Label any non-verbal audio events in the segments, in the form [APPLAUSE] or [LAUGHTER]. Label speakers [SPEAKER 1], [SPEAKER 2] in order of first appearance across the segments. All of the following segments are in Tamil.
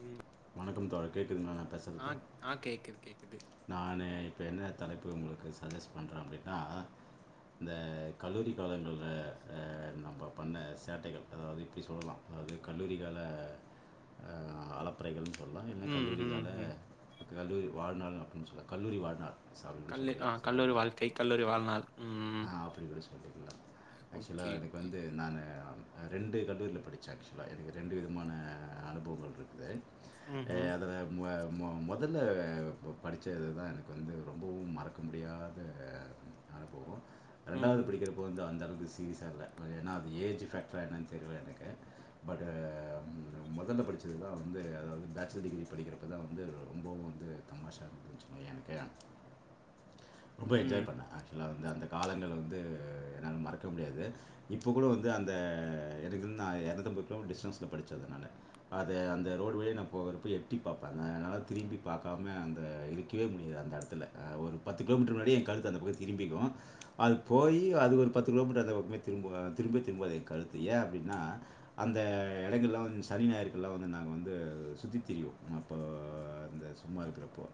[SPEAKER 1] ம்.
[SPEAKER 2] வணக்கம் தோழ கேக்குதுங்களா நான்
[SPEAKER 1] ஆ
[SPEAKER 2] பேசுறது
[SPEAKER 1] ஆ கேக்குது, கேக்குது.
[SPEAKER 2] நான இப்போ என்ன தலைப்பு உங்களுக்கு சஜஸ்ட் பண்ணுற அப்படின்னா இந்த கல்லூரி காலங்கள நம்ப பண்ண சேட்டைகள் அதாவது இப்படி சொல்ல அதாவது கல்லூரி கால அல பறைகள் அப்பல்லா என்ன
[SPEAKER 1] ம்,
[SPEAKER 2] கல்லூரி
[SPEAKER 1] ம்,
[SPEAKER 2] கால
[SPEAKER 1] ம்.
[SPEAKER 2] இந்த கல்லூரி வாழ்நாள் அப்படின்னு சொல்லலா கல்லூரி வாழ்நாள் சப்டனு
[SPEAKER 1] கல்லு ஆ
[SPEAKER 2] சொல்லிக்கலா
[SPEAKER 1] கல்லூரி
[SPEAKER 2] சரிங்களா
[SPEAKER 1] வாழ்க்கை, கல்லூரி வாழ்நாள். ம்.
[SPEAKER 2] ஆ அப்படி கூட சொல்லிக்கலா
[SPEAKER 1] ஓகே,
[SPEAKER 2] ஆக்சுவலாக அன்னைக்கு
[SPEAKER 1] ஓகே.
[SPEAKER 2] வந்து நானு ரெண்டு கல்லூரியில் படிச்ச ஏக்சுவ்லா எனக்கு ரெண்டு விதமான அனுபவங்கள் இருக்குது ஏ
[SPEAKER 1] ம்ஹ்ம்.
[SPEAKER 2] அது ம்வா ம் முதல்ல படித்த இது தா எனக்கு வந்து ரொம்பவு மறக்க முடியாத அனுபவம் இரண்டாவது
[SPEAKER 1] ம்ஹ்ம்.
[SPEAKER 2] படிக்கிற போது அந்த அளவுக்கு சி சீரிஸா இல்ல ஏனா அது ஏஜ் ஃபேக்ட்ரா எனனனு தெரியல எனக்கு பட் முதல்ல படிச்சது தான் வந்து அத பேச்சலர் டிகிரி படிக்கிறப்ப தான் வந்து ரொம்பவு வந்து தமாஷாக இருக்குதுன்னு வச்சுக்கோயேன் எனக்கு ரொம்ப என்ஜாய்
[SPEAKER 1] ம்.
[SPEAKER 2] பண்ண ஆக்சுவலா அந்த காலங்களை வந்து என்னால மறக்க முடியாது இப்ப கூட வந்து அந்த [UNINTELLIGIBLE] இரநூத்தம்பது கிலோமீட்டர் டிஸ்டென்ஸ்ல படிச்ச அதனால அத அந்த ரோடு வழியா நா போகிறப்ப எட்டிப் பாப்பாங்க அதனால திரும்பி பாக்காம அந்த இருக்கிவே முடியாது அந்த இடத்துல ஒரு பத்து கிலோமீட்டர் முன்னாடியே என் கழுத்து அந்த பக்கம் திரும்பிக்கு அது போய் அது ஒரு பத்து கிலோமீட்டர் அந்த பக்கமே திரும்ப திரும்பவே திரும்பாது என் கழுத்து ஏ அப்டினா அந்த இடங்கள்லா வந் சனி ஞாயிறுகெல்லா வந்து நாங்க வந்து சுற்றி திரிவோ அப்போ அந்த சும்மா இருக்கிறப்போ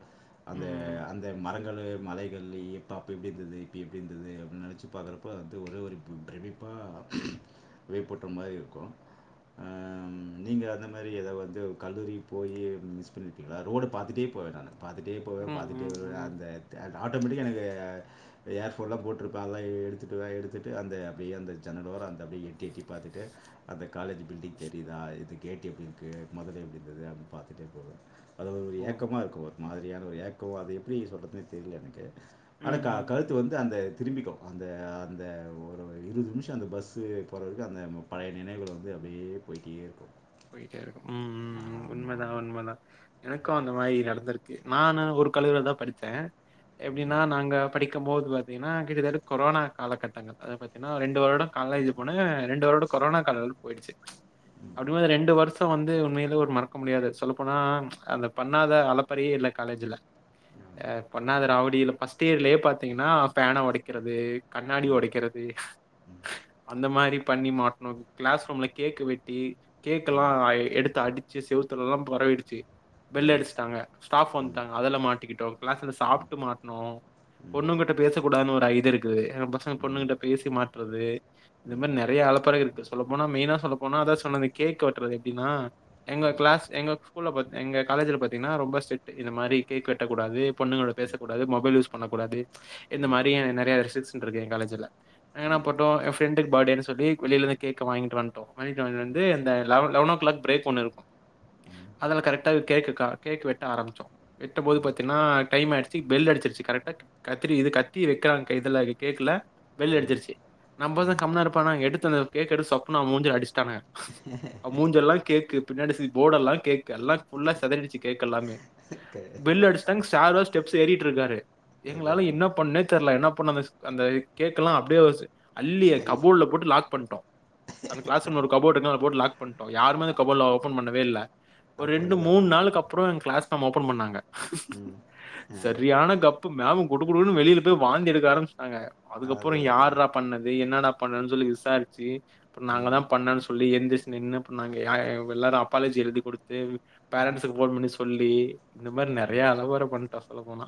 [SPEAKER 2] அந்த
[SPEAKER 1] ம்.
[SPEAKER 2] அந்த மரங்க எங்கள் மலைகள் எப்போ அப்போ இப்படி இருந்தது இப்போ எப்படி இருந்தது அப்படின்னு நினைச்சி பார்க்குறப்போ வந்து ஒரே ஒரு பிரமிப்பாக விப்பற்றற மாதிரி இருக்கும் நீங்கள் அந்த மாதிரி எதை வந்து கல்லூரி போய் மிஸ் பண்ணிருப்பீங்களா ரோடு பார்த்துட்டே போவ நானு பார்த்துட்டே போவ
[SPEAKER 1] ம்.
[SPEAKER 2] பார்த்துட்டே
[SPEAKER 1] ம்.
[SPEAKER 2] வருவ
[SPEAKER 1] ம்.
[SPEAKER 2] அந்த அ ஆட்டோமேட்டிக்க எனக்கு ஏர் ப்ரோ போட்டு இருப்பாங்கஎடு எடுத்து அந்த ஜன்னல் ஓரம் எட்ட எட்டி பாத்துட்டுஅந்த காலேஜ் பில்டிங் தெரியுாது கேட் எப்படி இருக்கு முதல் இருந்தத யாருன்னு பார்த்துட்டே போவ அது ஒரு
[SPEAKER 1] ஓ!
[SPEAKER 2] ஏக்கமாக இருக்கு ஒரு மாதிரியான ஒரு ஏக்கம் அது எப்படி சொ்கிறதுதுனே தெரியல எனக்கு
[SPEAKER 1] ம்.
[SPEAKER 2] அனக்கா
[SPEAKER 1] ம்.
[SPEAKER 2] கழுத்து
[SPEAKER 1] ம்.
[SPEAKER 2] வந்து அந்த திரும்பிக்கும் அந்த அந்த ஒரு இருபது நிமிஷம் அந்த பஸ்ஸு போகதுக்கு அந்த பழைய நினைங்கள் வந்து அப்படியே போய்க்கிட்டே இருக்கும்
[SPEAKER 1] போயிட்டே இருக்கு ம் ம் உண்மதா
[SPEAKER 2] ஆமாமா.
[SPEAKER 1] உண்மதா எனக்கு அந்த மாதிரி நடந்திருக்கு நானு ஒரு கல்லூரியில தான் படிச்ச எப்படினா
[SPEAKER 2] ம்.
[SPEAKER 1] நாங்க படிக்கும் போது பாத்தீங்கன்னா கிட்டத்தட்ட கொரோனா காலகட்டங்கள் அத பாத்தீங்னா ரெண்டு ண்டு வருடோ காலேஜ் போன ரெண்டு வருடோ கோரோனா காலோ போயிடுச்சு
[SPEAKER 2] உம்
[SPEAKER 1] உண்ம ரெண்டு வருஷோ வந்து உண்மையில ஒரு மறக்க முடியாது சொல்லப்போன அந்த பண்ணாத அலப்பறே இல்ல காலேஜில்
[SPEAKER 2] ஆமா.
[SPEAKER 1] பண்ணாத ராவடி இல்ல ஃபஸ்ட் இயர்லயே பார்த்தீங்கன்னா ஃபேனை உடைக்கிறது கண்ணாடி
[SPEAKER 2] ம்.
[SPEAKER 1] உடைக்கிறது அந்த மாதிரி பண்ணி மாட்டணும் கிளாஸ் ரூம்ல கேக்கு வெட்டி கேக் எல்லா
[SPEAKER 2] ம்.
[SPEAKER 1] எடுத்து அடிச்சு செவுத்துல எல்லா பறவிடுச்சு
[SPEAKER 2] ம்.
[SPEAKER 1] பெல்
[SPEAKER 2] ம்.
[SPEAKER 1] அடிச்சட்டாங்க ஸ்டாப்
[SPEAKER 2] ம். ம்.
[SPEAKER 1] வந்துட்டாங்க அதெல்ல மாட்டிக்கிட்டோம் கிளாஸ் சாப்பிட்டு மாட்டனோம்
[SPEAKER 2] ம். ம்.
[SPEAKER 1] பொண்ணுங்கிட்ட பேசக்கூடாதுன்னு ஒரு இது இருக்குது எங்க பசங்க பொண்ணு
[SPEAKER 2] ம்.
[SPEAKER 1] கிட்ட பேசி மாட்டுறது
[SPEAKER 2] ம்.
[SPEAKER 1] இது
[SPEAKER 2] ம்.
[SPEAKER 1] மாதிரி நிறைய அளப்பிறகு இருக்கு சொல்லப்போனா மெயின்னா சொல்லப்போனா அதான் சொன்னது கேக் வெட்டுறது எடின்னா எங்க கிளாஸ் எங்க ஸ்கூலில எங்க காலஜில பாரீங்கன்னா ரொம்ப ஸ்ட்ரிக்ட் இந்த மாதிரி கேக் வெட்டக்கூடாது பொண்ணுகலோட பேசக்கூடது மொபைல் யூஸ் பண்ணக்கூடாது இந்த மாதிரி நிறைய ரரிசிக்ஸ் இருக்கு என் காலேஜ ஏன்னா
[SPEAKER 2] ம்.
[SPEAKER 1] போ என் ஃப்ரெண்டுக்கு பர்டேன்னு சொல்லி வெளியிலருந்து கேக்க வாங்கிட்டு வந்துட்டோ வாங்கிட்டு இது அந்த eleven eleven o'clock break ஒன்னு இருக்கும் அதில் கரெக்டாக கேக்கு கேக் வெட்ட ஆரம்பிோம் வெட்டபோது
[SPEAKER 2] ம்.
[SPEAKER 1] பார்த்தீங்கனா டைம் ஆகிடுச்சு பெல் அடிச்சிருச்சி கரெக்டாக கத்தி இது கத்தி வைக்கிறாங்க இதில் கேக்கில வெளிய
[SPEAKER 2] ம்.
[SPEAKER 1] எடுச்சுருச்சு நம்பனா
[SPEAKER 2] ம்.
[SPEAKER 1] கம்மனா இருப்பானா எடுத்து அ கேக்கெடுத்து சொப்புனா அவ மூஞ்சு அடிச்சிட்டாங்க அ மூஞ்ஞெல்லா கேக்கு பின்னாடி போர்ட் எல்லா கேக்கு எல்லா புல்லா செதரிடிடுச்சு கேக்கலாமே
[SPEAKER 2] கே
[SPEAKER 1] பெல்லடிச்சுட்டாங் சார் வாஸ் டெப்ஸ் ஏறிட்டு இருக்காரு
[SPEAKER 2] அதான்,
[SPEAKER 1] எங்களால என்ன
[SPEAKER 2] அதான்.
[SPEAKER 1] பண்ணே தெரல என்ன பண்ண அந்த அந்த கேக்கெலா அப்படியே அள்ளி ஏ
[SPEAKER 2] கை
[SPEAKER 1] கபோர்ல போட்டுலாக் பண்ண அந்த கிளாஸ் [UNINTELLIGIBLE] கபோடு [UNINTELLIGIBLE] லாக் பண்ணிட்டோ யாருமே கபோடுல ஓபன் பண்ணவே இல்ல ஒரு
[SPEAKER 2] அப்புறம்
[SPEAKER 1] ரெண்டு
[SPEAKER 2] கதை
[SPEAKER 1] மூணு நாளுக்கு அப்புறோ என் கிளாஸ் மேம் ஓபன் பண்ணாங்க
[SPEAKER 2] உம் ஆ
[SPEAKER 1] இப்ப மேம் குடு குடுணுன்னனு வெளியில போய் வாந்தி எடுக்க ஆரம்பிச்சுடாங்க அதுக்கப்புறோ
[SPEAKER 2] அதான், அதான்.
[SPEAKER 1] யார்ரா பண்ணது என்னடா பண்ணாண்னு சொல்லி விசாரிச்சு அப்ப நாங்க
[SPEAKER 2] ம்.
[SPEAKER 1] தா பண்ணான்னு சொல்லி எந்திரிச்சு நின்னு பண்ணாங்க யார்எல்லாரு அப்பாலேஜி எழுதி கொடுத்து பேரன்ட்ஸுக்கு போன் பண்ணி சொல்லி இந்த மாதிரி நிறைய அளவாரம் பண்ணட்டா சொல்ல போனா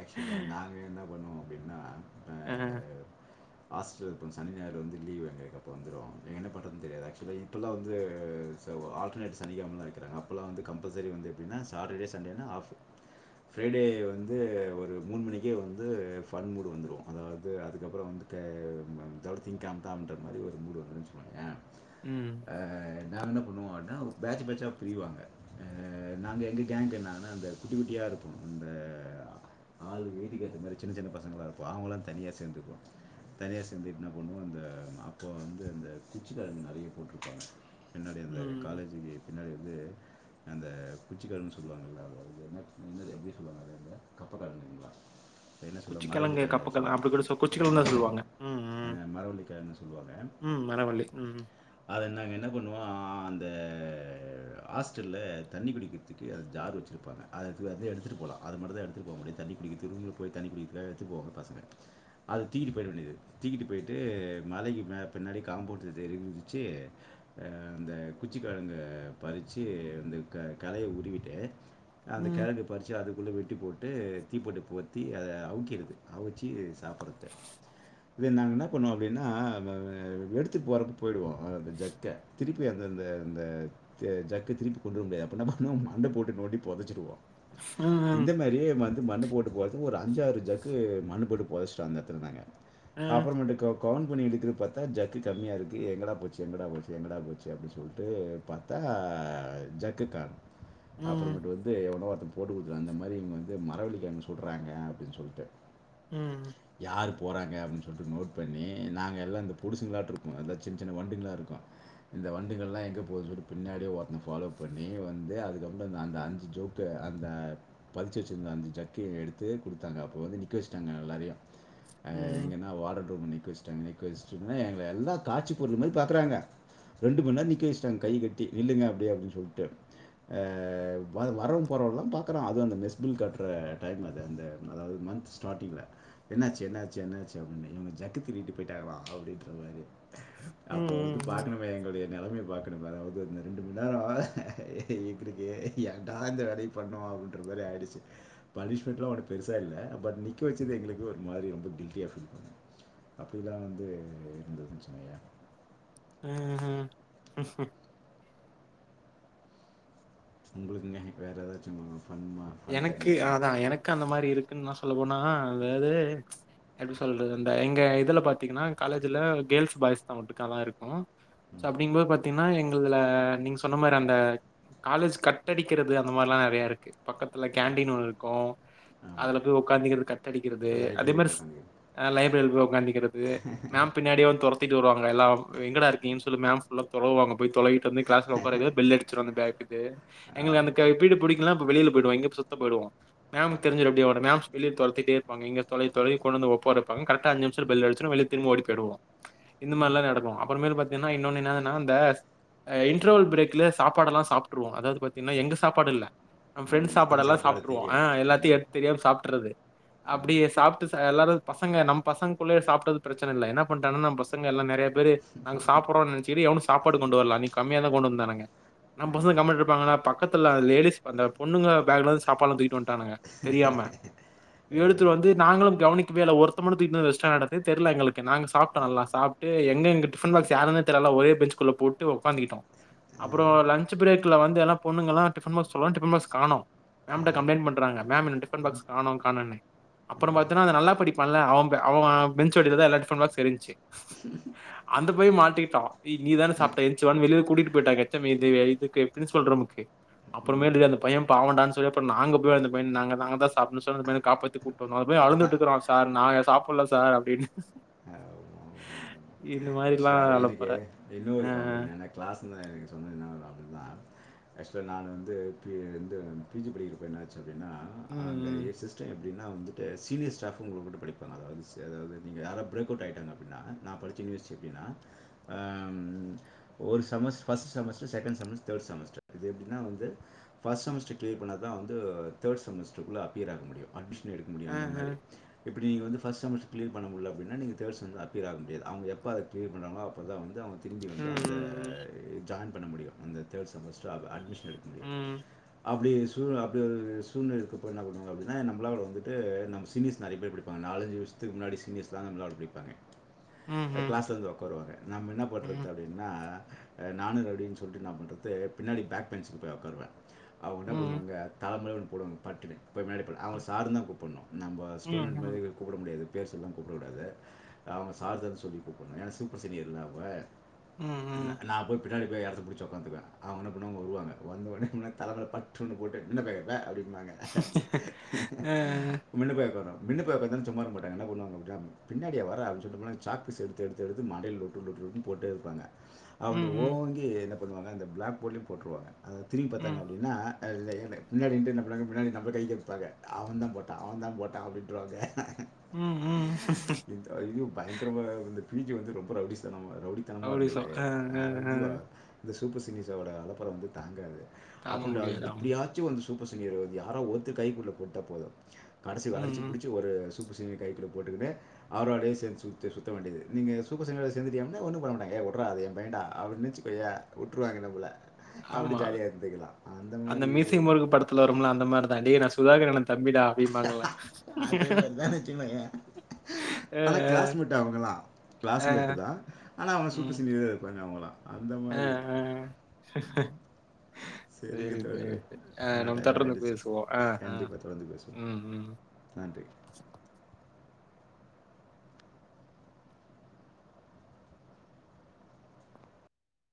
[SPEAKER 2] ஆக்சுவலா நாங்க என்ன பண்ணுவோ அப்பிடின்னா
[SPEAKER 1] அ.
[SPEAKER 2] ஹாஸ்டல்லருப்பன் சனி ஞாயிறு வந்து லீவு எங்களுக்கு அப்ப வந்துடுவோ எங்க என்ன பண்ணறதுன் தெரியாது ஆக்சுவலா இப்பலா வந்து ச வ ஆல்டர்னேட் சனிக்கெழமலா வெக்கிறாங்க அப்பலா வந்து கம்ப்பல்செரி வந்து எப்டினா சாட்டர்டே சண்டேனா ஆஃப் ஃப்ரைடே வந்து ஒரு மூணு மணிக்கே வந்து ஃபன் மூடு வந்துரு அதாவது அதுக்கப்புறோ வந்துட்டு இதோட திங்கெழம தா தான்ற மாரி ஒரு மூடு வந்துருனுவச்சுகோயே
[SPEAKER 1] ம்.
[SPEAKER 2] ஆ நாங்க என்ன பண்ணுவோம் அப்படின்னா ஒரு பேட்சு பேட்சாக பிரிவாங்க ஆ நாங்க எங்க கேங்கு என்னாங்கன்னா அந்த குட்டி குட்டியா இருப்போ அந்த ஆள் வேயிட்டுக்கு ஏத்த மாரி சின்ன சின்ன பசங்களா இருப்போ அவங்கல்லா தனியா சேந்துக்குவோ தனியா சேர்ந்துட்டு என்ன பண்ணுவோ அந்த அப்ப வந்து அந்த குச்சிக்கெழங்கு நறையா போட்டிருப்பாங்க என்னடி அந்த
[SPEAKER 1] ம்.
[SPEAKER 2] [UNINTELLIGIBLE] பின்னாடி வந்து அந்த குச்சிக்கெழங்கு சொல்லுவாங்கல்ல அது வருது என்ன என்னது பேர் சொல்லுவாங்கல்ல அது என்ன கப் ப்பகெழங்குங்களா அது என்ன சொல்லுவாங்
[SPEAKER 1] குச்சிக்கிழங்கு,
[SPEAKER 2] மரவள்ளிக்கெழங்கு ஆக்ஸுலா
[SPEAKER 1] கப்பக்கிழங்கு
[SPEAKER 2] [INAUDIBLE]
[SPEAKER 1] அப்படி கூட சொ குச்சிக்கிழங்கு தான் சொல்லுவாங்க. ம்,
[SPEAKER 2] அ,
[SPEAKER 1] ம்.
[SPEAKER 2] மரவள்ளிக்கெழங்கு சொல்லுவாங்க
[SPEAKER 1] ம். மரவள்ளி. ம்.
[SPEAKER 2] அத நாங்க என்ன பண்ணுவோ த ஹாஸ்டல்ல தண்ணி குடிக்கற்துக்கு [UNINTELLIGIBLE] ஜாரு வெச்சுருப்பாங்க. [UNINTELLIGIBLE] அத எடுத்துட்டு போலா அது மட்டுந்தா எடுத் த்துட்டு போக முடியு தண்ணி குடிக்கற்துக் ரூம்ல போய் தண்ணி குடிக்கற்த்காக எத்துட்டு போவாங்க பசங்க. அது தூக்கிட்டு போயிட வேண்டியது தூக்கிட்டு போய்ட்டு மலைக்கு மே பின்னாடி காம்பவுண்டு [UNINTELLIGIBLE] குதிச்சு அ அந்த குச்சிக்கெழங்க பறிச்சு இந்த க கலைய உருவிட்டு அந்த
[SPEAKER 1] ம்.
[SPEAKER 2] கெழங்க பறிச்சு அது புல்லு வெட்டி போட் டு தீப்பெட்டு பொகத்தி அத அவுக்கிறது அவுச்சி சாப்பறது. இது நாங்க என்ன பண்ணுவோ அப்டினா [UNINTELLIGIBLE] எடுத்துட் போறப்போ போயிடுவோ அது ஜக்க திருப்பி அந்தந்த அந்த தே, ஜக்க திருப்பி கொண்டு வர முடியாது அப்ப என்ன பண்ணுவோ மண்ண போட்டு நோண்டி பொதச்சிருவோ
[SPEAKER 1] உம் உம்
[SPEAKER 2] வந்து மண்ண போட்டு போறது ஒரு அஞ்சாரு ஜக்கு மண்ண போட்டு பொதச்சுட்டோ அந்த எட்த்துல நாங்க
[SPEAKER 1] அ.
[SPEAKER 2] அப்பறோமேட்டிக் க கவுன் ன்னா பண்ணி எடுக்கிறது பாத்தா ஜக்கு கம்மியாக இருக்குது எங்கடா போச்சு எங்கடா போச்சு எங்கடா போச்சு அப்டின் சொல்லிட்டு பாத்தா ஜக்கு காணு
[SPEAKER 1] ம்.
[SPEAKER 2] அப்றமேட்டு வந்து [UNINTELLIGIBLE] [INAUDIBLE] போட்டு குடுத்துட்டன் அந்த மாரி இவன் து மரவள்ளிக்கெழங்கு சொல்றாங்க அப்டின் சொல்ட்டு
[SPEAKER 1] ம்.
[SPEAKER 2] யார் போறங்க அப்டின் சொல்ட்டு நோட் பண்ணி நாங்க எல்லா இந்த பொடுசுங்களாட்ருப்போ எல்லா சின்ன சின்ன வண்டுகளா இருக்கு, இந்த வண்டுகல்லா எங்க போகுதுன்னு சொல்லி பின்னாடியே ஒருத்த ஃபாலோ பண்ணி வந்து அதுக்கப்றோ அந்த அஞ்சு ஜோக்க அந்த ப வச்ச வச்சிருந்த அந்த [UNINTELLIGIBLE] எடுத்து குடுத்தாங்க அப்போ வந்து நிக்க வச்சட்டாங்க எல்லாரையும். ஆஹ்
[SPEAKER 1] ம்.
[SPEAKER 2] எங்கனா வார்டன் ரூம்ல நிக்க வச் தன் நிக்க வச்டுமே எங்க எல்லா காட்சி பொருள் மாரி பாக்குறாங்க ரெண்டு மண்நேர நிக்க வச்சுட்டாங்க கை கட்டி நில்லுங்க அப்டியே அப்டின் சொல்ட்டு ஆஹ் வ வரவ போறவன்லா பாக்குறா அது அந்த மெஸ் பில் கட்டுற டைம் அது அந்த அதாது மந்த் ஸ்டார்ட்டிங்கில என்னாச்சு என்னாச்சு என்னாச்சு அப்டின்னு இவங்க ஜக்கு திருடிட்டு போய்டாகலாம் அப்டினு சொல்வாரு
[SPEAKER 1] ம்
[SPEAKER 2] அப்போ வந்து
[SPEAKER 1] ம் ம்
[SPEAKER 2] பாக்கணுமே எங்களுடைய நெலமை பாக்கணுமே அதாது அந்த ரெண்டு மண் நேரம் எங்களுக்கு ஏன்டா இந்த வேலைய பண்ணோ அப்டின்ற மாரி ஆயிடுச் பனிஷ்மென்ட்டெல்லா ஒரு பெருசா இல்ல பட் நிக்கவெச்சசது எங்களுக்கே ஒரு மாதிரி ரொம்ப கில்ட்டியா ஃபீல் பண்ணோ அப்டிதா வந்து இருஞ்ச்சுவெய்யே
[SPEAKER 1] உம் உம்
[SPEAKER 2] உங்களுக்குன்னா வேற ஏதாச்சும்மா.
[SPEAKER 1] எனக்கு அதா எனக்கு அந்த மாரி இருக்குன்னு நா சொல்ல போனா. அதாவது ம்ச் எப்படி சொல்றது, அந்த எங்க இதுல பாத்தீங்கன்னா காலேஜ்ல கேர்ள்ஸ் பாய்ஸ் தா ஒட்டுக்கா தா இருக்கு. சோ அப்படிங்கபோது பாத்தீங்கன்னா எங்க. துல நீங்க சொன்ன மாரி அந்த காலேஜ் கட்டடிக்கிறது அந்த மாரிலா நெறையா இருக்கு. பக்கத்துல கேண்டீன் ஒன்னு இருக்கு.
[SPEAKER 2] ஆமாம்
[SPEAKER 1] அதுல போய் உட்காந்து, கட்டடிக்கிறது. அதே
[SPEAKER 2] லைப்ரரியில்
[SPEAKER 1] மாரி
[SPEAKER 2] போய் உட்காந்துக்கிறேன்
[SPEAKER 1] லைப்ரரிகுள்ள உட்காந்துக்கிறது. மேம் பின்னாடியே வந்து தொரத்திட்டு வருவாங்க எல்லா எங்கடா இருக்கீன்னு சொல்லி மேம் ஃபுல்லா. தொலா வாங்க. போயி தொலையிட்டு வந்து கிளாஸ்ல உக்கரவைகில பெல் அடிச்சுருவாங்க அந்த பேக்குக்கு எங்களுக்கு அந்த
[SPEAKER 2] ஆமாம்
[SPEAKER 1] பீர்டு பிடிக்கலானா. வெளியில. போயிடுவாங்க இப்ப சுத்த போய்விடுவோ மேமுக்கு
[SPEAKER 2] ஆமாம்
[SPEAKER 1] தெரிஞ்சிடு அப்படியோட மேம். வெளியில தொரத்திட்டே இருப்பாங்க இங்க தொலவி தொலவி கொண்டு வந்து உக்கார வைப்பாங்க கரெக்டா அஞ்சு நிமசத்துல பெல் அடிசுறு வெளிய திரும்ப ஓடீ போய்டுவோ இந்த
[SPEAKER 2] ம்.
[SPEAKER 1] மாரியெல்லா நடக்கு. அப்பரமேல் பாத்தீங்கன்னா இன்னொனு என்னதுனா இந்த இன்டர்வெல் ப்ரேக்ல சாப்பாடு எல்லா சாப்டுருவோ அதாவது பாத்தீங்கன்னா எங்க சாப்பாடில்ல நம்
[SPEAKER 2] ம்
[SPEAKER 1] பிரெண்ட்ஸ் சாப்பாடு
[SPEAKER 2] மற்றவங்க
[SPEAKER 1] எல்லா சாப்டுருவோ. ய
[SPEAKER 2] தீக்கிடுச்சு
[SPEAKER 1] எல்லாத்தையு
[SPEAKER 2] ம்
[SPEAKER 1] எடுத்து தெரியாம சாப்டுறது.
[SPEAKER 2] ம்
[SPEAKER 1] அப்படியே சாப்பிட்டு எல்லாரு பசங்க நம்ம பசங்கக்குள்ளேயே சாப்டது பிரச்சனை இல்லை என்ன பண்ணீட்டாங்கனா நம்ம பசங்க எல்லா நெறைய. பேரு நாங்க சாப்படுறோ நெனச்சுட்டு எவனு சாப்பாடு கொண்டு வரல அன்னிக்கு கம்மியாதா கொண்டு வந்தானுங்க. நம்ப
[SPEAKER 2] ஆ
[SPEAKER 1] பசங்க கம்முனு இருப்பாங்களா பக்கத்துல லேடீஸ் அந்த. பொண்ணுங்க பேகலிருந்து சாப்பாடெல்லா தூக்கிட்டு வன்டானுங்க தெரியாம
[SPEAKER 2] ஏ,
[SPEAKER 1] எடுத்து வந்து நாங்களு கவனிக்கவே இல்ல ஒருத்த மட்டு தூக்கிட்டு வந்து வெச்சுநாட்டு இருக்கு தெரியில எங்க நாங்க சாப்டோ நல்லா சாப்பிட்டு எங்க எங்க டிஃப பாக்ஸ் யாருனே தெரில ஒரே பெஞ்சுகுள்ள போட்டு உட்காந்துக்கிட்டோ
[SPEAKER 2] ஏ,
[SPEAKER 1] அப்புறோ லன்ச் பிரேக்கில் வந்து எல்லா பொண்ணுங்கல்லா டிஃபன் பாக்ஸ் [UNINTELLIGIBLE] டிஃபன்பாக்ஸ் காணோ மேம்ட கம்ப்ளைன்ட் பண்றாங்க மேம் எ டிஃபன் பாக்ஸ் காணோ காணோன்னு அப்பற பாத்தனா அந்த நல்லா படிப்பால்ல அவ பெ அவ பென்ச்சடிலதா எல்லா டிஃபன் பாக்ஸு இருந்ச்சு
[SPEAKER 2] ஸ்ஸ்.
[SPEAKER 1] அந்த பைய மாட்டிக்கிட்டா நீ தானே சாப்பிட்ட எந்துசு வானு வெளிய கூட்டிட்டு போயிட்டாங்க. எச்சம் இது இதுக்கு பிரின்சிபால் ரூம்க்கு
[SPEAKER 2] ம்
[SPEAKER 1] அப்புறமேலூ அந்த பைய பாவொண்டானு சொல்லி ஆப்ரோ நாங்க போய் அந்த பையன நாங்கதா சாப்பிடுனு சொல்லி காப்பாத்தி கூட். அந்த பைய அழுதுட்டு இருக்கா சார் நாங்க சாப்ட். சொல்ல சார் அப்படின்னு.
[SPEAKER 2] ஆக்சுவல எனக்கு இன்னொரு
[SPEAKER 1] அ
[SPEAKER 2] காமெடி நான் கிளாஸ்க்கு சொன்ன நா நா நான் ஆக்சுவலா நான் வந்து பி ஜி படிக்குரப்போ என்ன ஆச்சுனா. எனா
[SPEAKER 1] ம்
[SPEAKER 2] அங்க
[SPEAKER 1] ம்
[SPEAKER 2] எசிஸ்டம். ப்டினா வந்துட்டு சீனியர் ஸ்டாஃப்பு [UNINTELLIGIBLE] படிப்பாங்க அதாவது சேதாவது நீங்க யாரவ் பிரேக் அவுட் ஆய்ட்டாங்க அப்பிட்னா நா படிச்ச யூனீவர் எப்டினா ஏ ம் ஒரு செமஸ் ஃபஸ்ட்டு செமஸ்ட்ரு செகன்ட் செமஸ் தேடு செமஸ்ட்ரு இது எப்டினா வந்து ஃபஸ்ட் செமஸ்ட்ரு கிளியர் பண்ணாதா வந்து தேடு செமஸ்ட்ருக்குள்ள அப்பியர் ஆக முடியு அட்மிஷ னே எடுக்க முடியு அந்த
[SPEAKER 1] அஹ
[SPEAKER 2] மாரி இப்ப நீங்க வந்து ஃபஸ்ட் செமஸ்டர் கிளியர் பண்ண முடியல அப்டினா நீங்க தேடு செம்க்கு அப்பியர் ஆக முடியாது அவங்க எப் ப அத கிளியர் பண்றாங்களோ அப்ப தா வந்து த அவுங்க திரும்பி வந்து
[SPEAKER 1] ம்
[SPEAKER 2] அந்த
[SPEAKER 1] ம்
[SPEAKER 2] இத் ஜாயின் பண்ண முடியு அந்த தேடு செமஸ்ட்ரு அபு, அட்மிஷ
[SPEAKER 1] உம்
[SPEAKER 2] சூழ்நில அப்டி ஒரு சூழ்நில இருக்கப்போ என்னா பண்ணுவாங்க அப்டினா நம்மளோட வந்துட்டு நம்ம சீனியர்ஸ் நெறைய பேர் படிப்பாங்க. நாலஞ்சு வர்ஷத்துக்கு முன்னாடி சீனியர்ஸ் தா நம்ளோட படிப்பாங்க அ,
[SPEAKER 1] ம்
[SPEAKER 2] கிளாஸ்ல வந்து ஒக்காருவாங்க நம்ம என்ன
[SPEAKER 1] ம்
[SPEAKER 2] பண்றது அப்டின்னா அ நானு ரௌடின் சொல்ட்டு என்னா பண்றது பின்னாடி பேக் பென்ச்சுக்கு போய் ஒக்காருவே அவங்க என்ன
[SPEAKER 1] ம் ம்
[SPEAKER 2] பண்ணுவாங்க தல மேல வந் போடுவாங்க பட்டுனு போய் முன்னாடி போடா அவங்கள சாருன்தா கூப்பட்ணு நம்ம
[SPEAKER 1] ம்
[SPEAKER 2] ஸ்டூடெண்ட் மாரி இவில கூப்ட முடியாது பேர் சொல்லிலா கூப்ட கூடாது அவங்க சார் தா சொல்லி கூப்பட்னு ஏன்னா சூப்பர் சீனியர்ல்ல அவங்க
[SPEAKER 1] ம் ம்
[SPEAKER 2] ந
[SPEAKER 1] ம்
[SPEAKER 2] நா போய் பின்னாடி போய் எடத்த புடிச்சு ஒக்காந்துக்வே அவங்க என்னா பண்ணுவாங்க வருவாங்க வந்தோனே முன்னாடி தல மேல பட்டுனு ஒன்னு போட்டு மின்ன போயா போ அப்டின் னாங்க
[SPEAKER 1] அ
[SPEAKER 2] மின்ன போய் ஒக்கார்ரா மின்ன போய் ஒக்காந்தாலு சும்மா இருக்கமாட்டங்க என்ன பண்ணுவாங்க அப்டினா பின்னாடியா வர அப்டின் சொல்ட்டு [UNINTELLIGIBLE] சாக் பீஸ் எடுத்து எடுத்து எடுத்து மண்டைலே லொட்டு லொட்டு லொட்டுன் போட்டே இருப்பாங்க அவன்டு
[SPEAKER 1] ம் ம்
[SPEAKER 2] ஓங்கி என் பண்ணுவாங்க இந்த பிளாக் போர்டுலயு போட்ருவாங்க அத திரும்பி பாத்தாங்க
[SPEAKER 1] ம்
[SPEAKER 2] அப்டின்னா ல்லே ல்லே எனக்கு பின்னாடி நின்டுருந்த முன்னாடி முன்னாடி நம்பகைக்கே வீச்சுபாங்க அவன் தான் போட்டான் அவன் தான் போட்டான் அப்டின்றவாங்க
[SPEAKER 1] உம் உம்
[SPEAKER 2] ஹ இந்த பீ ஜே வந்து ரொம்ப ரௌவுடிஸ்தானமா இரு ரௌடித்தனமா
[SPEAKER 1] ரவுடிசம்
[SPEAKER 2] இருந்தது
[SPEAKER 1] அ அ
[SPEAKER 2] அவ
[SPEAKER 1] அ
[SPEAKER 2] [UNINTELLIGIBLE] இ சூப்பர் சினிசா ஒட அளப்பர வந்து தாங்காது
[SPEAKER 1] தாங்க
[SPEAKER 2] அப்பன்ட
[SPEAKER 1] முடியாது ஆமா
[SPEAKER 2] எப்படியாச்சு வந்து சூப்பர் சிங்கர் [UNINTELLIGIBLE] வந்து யாரோ ஒருத்தர் கைக்குள்ள போட்டா போது கடைசிவ
[SPEAKER 1] ம்
[SPEAKER 2] அடிச்சு
[SPEAKER 1] ம்
[SPEAKER 2] பேடிச்சு ஒரு பசங்க கைக்குள்ள போட்டுக்குன்னு அவரோடையே சேந்து சுத் [UNINTELLIGIBLE] சுத்த வேண்டியது நீங்க சூப்பர் சினியர்ல சேந்துடியல்னா ஒன்னு பண்ணமாட்டாங்கா ஏ உர்ரா அது என் பையன்டா அப்டின்னு [UNINTELLIGIBLE] உட்ருவாங்க நம்மல
[SPEAKER 1] ஆமா அந்த
[SPEAKER 2] மாதிரி
[SPEAKER 1] மீசி முருகு படத்துல வரும்ல அந்த மார் தா டே னாஸ் சுதாகரணத்
[SPEAKER 2] ஹ ஹ ஹ அதே மார் தா வச்சுகோயன்
[SPEAKER 1] அ,
[SPEAKER 2] ஆனா க்ளாஸ்மெட்ட அவுங்களா
[SPEAKER 1] அ,
[SPEAKER 2] க்ளாஸ்மெட்டு்
[SPEAKER 1] அ,
[SPEAKER 2] தா ஆனா அவங் சூப்பர் சீனியரா இருப்பாங்க அவுங்களா
[SPEAKER 1] ஆ, ஹ் ஆஹ் ஹ ஹ
[SPEAKER 2] சரிங்க
[SPEAKER 1] சேரி சேரி
[SPEAKER 2] தோழரே
[SPEAKER 1] செ ஆ
[SPEAKER 2] என்ன
[SPEAKER 1] நம்
[SPEAKER 2] டைம்
[SPEAKER 1] தொடர்ந்து
[SPEAKER 2] ஆயிடுச்சு
[SPEAKER 1] பேசுவோ ஆ ஆ
[SPEAKER 2] கண்டிப்பா தொடர்ந்து பேசுவோம்
[SPEAKER 1] ம் ம்
[SPEAKER 2] நன்றி